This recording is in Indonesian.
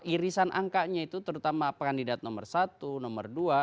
irisan angkanya itu terutama kandidat nomor satu nomor dua